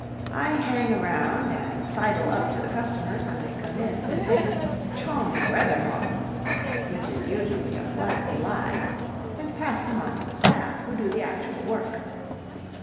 I hang around and sidle up to the customers when they come in, and say, "Chawming weather, moddom!" (which is usually a black lie) and pass them on to the staff, who do the actual work.